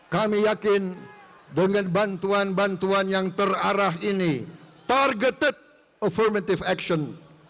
kami yakin dengan bantuan bantuan yang terarah ini targeted affirmative action